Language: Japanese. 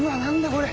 これ。